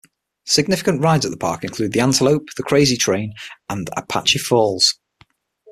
Significant rides at the park include The Antelope, The Crazy Train and Apache Falls.